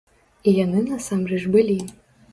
І яны насамрэч былі!